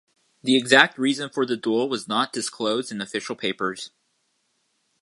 The exact reason for the duel was not disclosed in official papers.